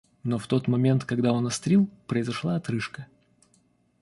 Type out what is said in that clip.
Но в тот момент, когда он острил, произошла отрыжка.